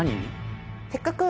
せっかく。